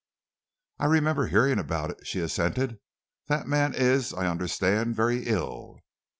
"I remember hearing about it," she assented. "The man is, I understand, very ill."